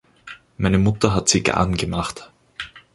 Meine Mutter hat Zigarren gemacht.